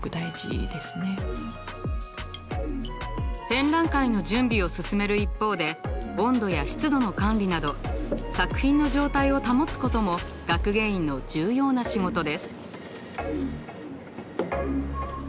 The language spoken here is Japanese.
展覧会の準備を進める一方で温度や湿度の管理など作品の状態を保つことも学芸員の重要な仕事です。